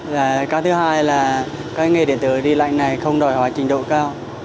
và các thứ hai là các nghề điện tử điện lạnh này không đòi hóa trình độ cao